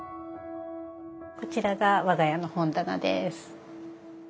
こちらが我が家の本棚です。